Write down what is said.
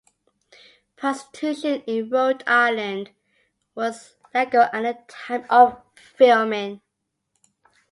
Prostitution in Rhode Island was legal at the time of filming.